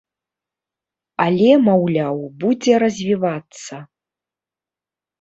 Але, маўляў, будзе развівацца.